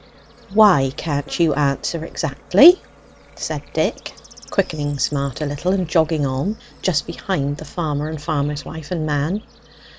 "Why can't you exactly answer?" said Dick, quickening Smart a little, and jogging on just behind the farmer and farmer's wife and man.